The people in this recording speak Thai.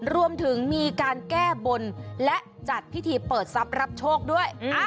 รวมถึงมีการแก้บนและจัดพิธีเปิดทรัพย์รับโชคด้วย